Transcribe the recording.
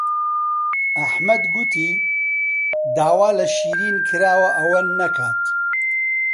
ئەحمەد گوتی داوا لە شیرین کراوە ئەوە نەکات.